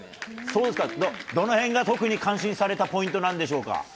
そうですか、どのへんが特に感心されたポイントなんでしょうか？